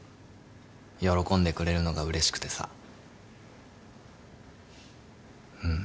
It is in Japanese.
喜んでくれるのがうれしくてさうん